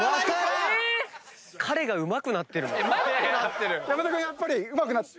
山田君うまくなってる？